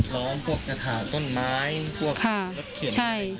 ล้อมพวกกระถ่าต้นไม้พวกรถเขียนอะไร